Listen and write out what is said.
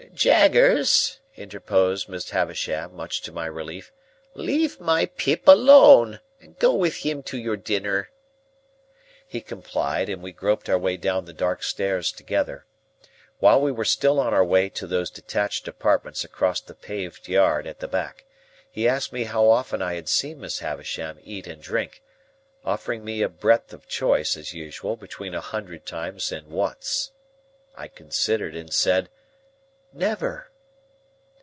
"Jaggers," interposed Miss Havisham, much to my relief, "leave my Pip alone, and go with him to your dinner." He complied, and we groped our way down the dark stairs together. While we were still on our way to those detached apartments across the paved yard at the back, he asked me how often I had seen Miss Havisham eat and drink; offering me a breadth of choice, as usual, between a hundred times and once. I considered, and said, "Never."